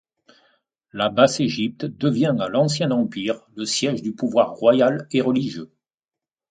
La Basse-Égypte devient à l'Ancien Empire le siège du pouvoir royal et religieux.